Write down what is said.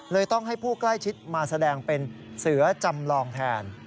ต้องให้ผู้ใกล้ชิดมาแสดงเป็นเสือจำลองแทน